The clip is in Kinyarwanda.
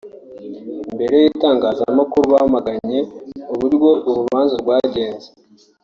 imbere y’itangazamakuru bamaganye uburyo urubanza rwagenze